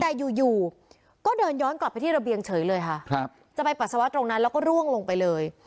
แต่อยู่อยู่ก็เดินย้อนกลับไปที่ระเบียงเฉยเลยค่ะครับจะไปปัสสาวะตรงนั้นแล้วก็ร่วงลงไปเลย